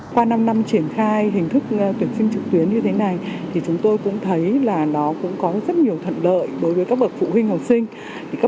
qua năm năm triển khai hình thức tuyển sinh trực tuyến như thế này thì chúng tôi cũng thấy là nó cũng có rất nhiều thuận lợi đối với các bậc phụ huynh học sinh